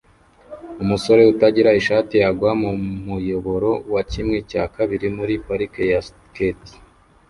Umusore utagira ishati agwa mu muyoboro wa kimwe cya kabiri muri parike ya skate